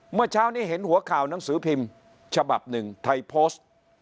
เมื่อเช้านี้เห็นหัวข่าวนังสือพิมศ์ฉบับ๑ไทยฟอส